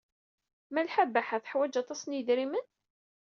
Malḥa Baḥa teḥwaj aṭas n yidrimen?